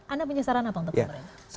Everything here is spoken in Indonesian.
anda punya saran apa untuk pemerintah